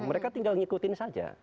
mereka tinggal ngikutin saja